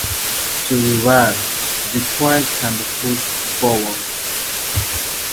To reverse, the quant can be pushed forwards.